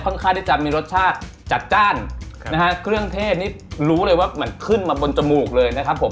ข้างที่จะมีรสชาติจัดจ้านนะฮะเครื่องเทศนี่รู้เลยว่าเหมือนขึ้นมาบนจมูกเลยนะครับผม